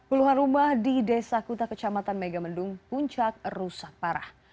puluhan rumah di desa kuta kecamatan megamendung puncak rusak parah